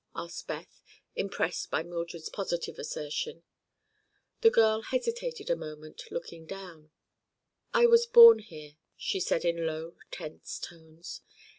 asked Beth, impressed by Mildred's positive assertion. The girl hesitated a moment, looking down. "I was born here," she said in low, tense tones.